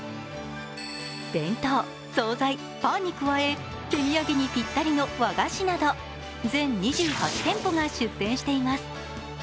弁当、総菜、パンに加え、手土産にぴったりの和菓子など全２８店舗が出店しています。